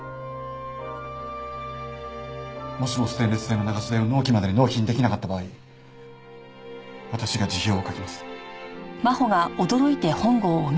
もしもステンレス製の流し台を納期までに納品できなかった場合私が辞表を書きます。